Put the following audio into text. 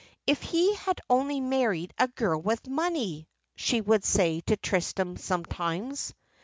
"If he had only married a girl with money!" she would say to Tristram sometimes.